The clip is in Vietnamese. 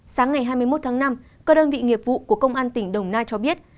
sáng ngày hai mươi một tháng năm các đơn vị nghiệp vụ của công an tỉnh đồng nai cho biết